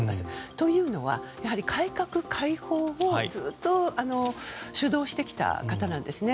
というのは、やはり改革開放をずっと主導してきた方なんですよね。